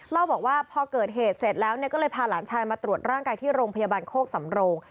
เล่าบอกว่าพอเกิดเหตุเสร็จแล้วก็เลยพาหลานชายมาตรวจร่างกายที่โรงพยาบาลโคกสำโรง